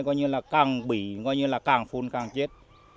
coi như là càng bỉ coi như là càng phun càng chết